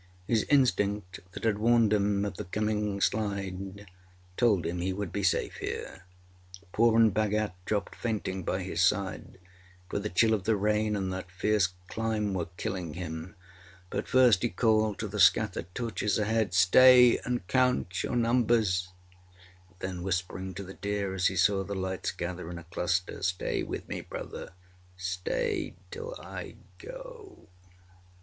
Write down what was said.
His instinct, that had warned him of the coming slide, told him he would he safe here. Purun Bhagat dropped fainting by his side, for the chill of the rain and that fierce climb were killing him; but first he called to the scattered torches ahead, âStay and count your numbersâ; then, whispering to the deer as he saw the lights gather in a cluster: âStay with me, Brother. Stay till I go!